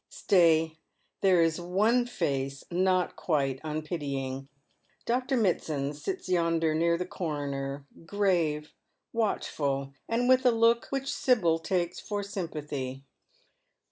Stay, there is one face not quite unpitjang. Dr Mitsand sits yonder near the coroner, grave, watchful, and with a look which Sibyl takes for sympathy.